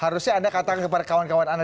harusnya anda katakan kepada kawan kawan anda